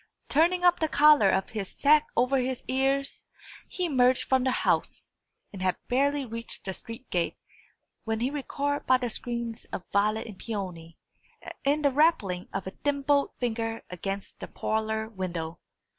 Turning up the collar of his sack over his ears, he emerged from the house, and had barely reached the street gate when he was recalled by the screams of Violet and Peony, and the rapping of a thimbled finger against the parlour window.